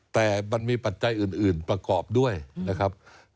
แต่มันมีปัจจัยอื่นประกอบด้วยนะครับ